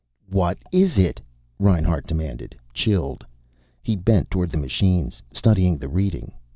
"What is it?" Reinhart demanded, chilled. He bent toward the machines, studying the reading.